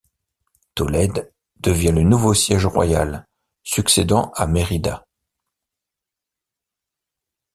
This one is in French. Tolède devient le nouveau siège royal, succédant à Merida.